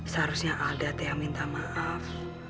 seharusnya ada teh yang minta maaf